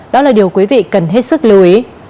đó là điều quý vị cần hết sức lưu ý